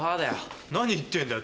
何言ってんだよ。